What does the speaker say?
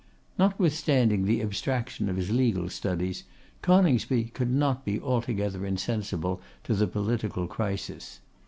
Notwithstanding the abstraction of his legal studies, Coningsby could not be altogether insensible to the political crisis.